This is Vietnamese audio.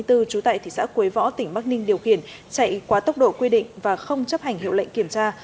trú tại thị xã quế võ tỉnh bắc ninh điều khiển chạy quá tốc độ quy định và không chấp hành hiệu lệnh kiểm tra